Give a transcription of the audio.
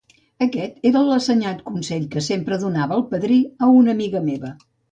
Aquest era l'assenyat consell que sempre donava el padrí a una amiga meva.